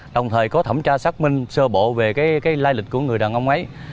đồng thời có thẩm tra xác minh sơ bộ về cái lai lịch của người đàn ông ấy